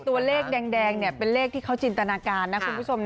ตัวเลขแดงเป็นเลขที่เขาจินตนาการนะคุณผู้ชม